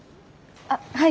あっはい。